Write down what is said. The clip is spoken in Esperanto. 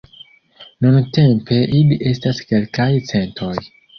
Nuntempe ili estas kelkaj centoj.